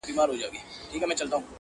د حاکم تر خزانې پوري به تللې؛